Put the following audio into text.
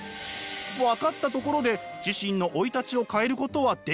わかったところで自身の生い立ちを変えることはできない。